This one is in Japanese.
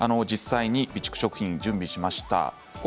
実際に備蓄食品を準備しました。